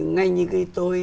ngay như cái tôi